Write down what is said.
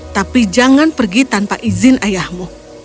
tapi jangan pergi tanpa izin ayahmu